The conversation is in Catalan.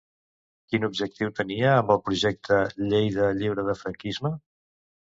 Quin objectiu tenia amb el projecte "Lleida, lliure de franquisme"?